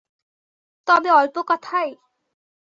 তবে অল্প কথায়?